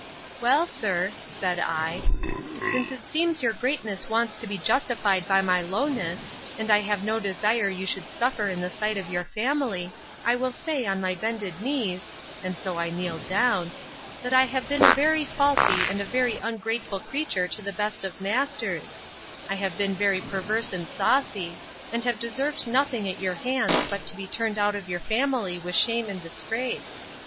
Well, sir, said I, since it seems your greatness wants to be justified by my lowness, and I have no desire you should suffer in the sight of your family, I will say, on my bended knees, (and so I kneeled down,) that I have been a very faulty, and a very ungrateful creature to the best of masters: I have been very perverse and saucy; and have deserved nothing at your hands but to be turned out of your family with shame and disgrace.